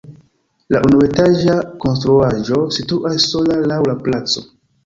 La unuetaĝa konstruaĵo situas sola laŭ la placo.